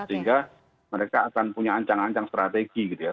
sehingga mereka akan punya ancang ancang strategi gitu ya